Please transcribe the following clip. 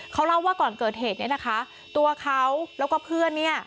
เขาเล่าว่าก่อนเกิดเหตุเนี่ยนะคะตัวเขาแล้วก็เพื่อนเนี่ย